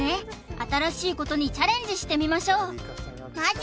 新しいことにチャレンジしてみましょうマジ